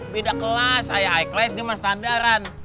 beda kelas saya high class gimana standaran